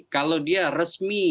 kalau dia resmi